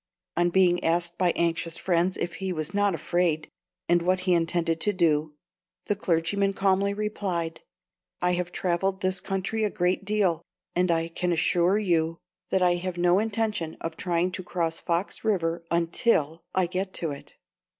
On being asked by anxious friends if he was not afraid, and what he intended to do, the clergyman calmly replied, 'I have travelled this country a great deal, and I can assure you that I have no intention of trying to cross Fox River until I get to it.